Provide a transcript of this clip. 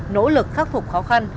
nỗ lực khắc phục khó khăn